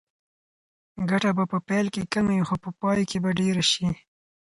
ګټه به په پیل کې کمه وي خو په پای کې به ډېره شي.